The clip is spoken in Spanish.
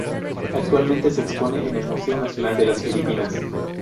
Actualmente se expone en el Museo Nacional de las Filipinas.